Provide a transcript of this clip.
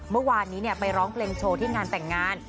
เมื่อวานนี้ไปร้องเพลงโชว์ที่งานแต่งงาน